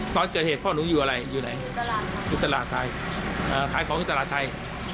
ตอนเจอเหตุพ่อหนูอยู่วิตาราไทย